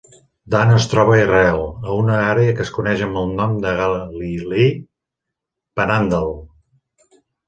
Dan es troba a Israel, a una àrea que es coneix amb el nom de Galilee Panhandle.